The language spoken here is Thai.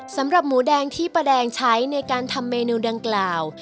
สำหรับหมูแดงที่ป้าแดงใช้ในการทำเมนูดังกล่าว